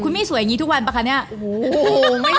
มี่สวยอย่างนี้ทุกวันป่ะคะเนี่ย